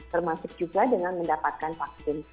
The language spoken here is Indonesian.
termasuk juga dengan mendapatkan vaksin